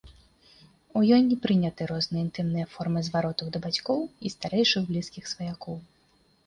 У ёй не прыняты розныя інтымныя формы зваротаў да бацькоў і старэйшых блізкіх сваякоў.